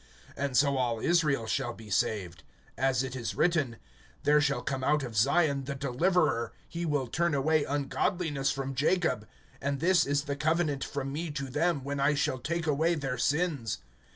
(26)And so all Israel shall be saved; as it is written: There shall come out of Zion the Deliverer; he will turn away ungodliness from Jacob; (27)and this is the covenant from me to them, when I shall take away their sins.